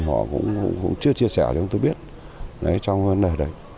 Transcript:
họ cũng chưa chia sẻ cho chúng tôi biết trong vấn đề đấy